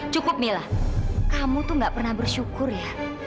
cukup mila kamu tuh gak pernah bersyukur ya